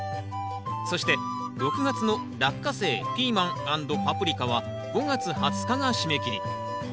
そして６月の「ラッカセイ」「ピーマン＆パプリカ」は５月２０日が締め切り。